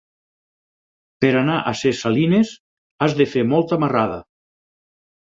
Per anar a Ses Salines has de fer molta marrada.